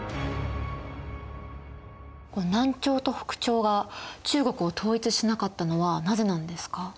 南朝と北朝が中国を統一しなかったのはなぜなんですか？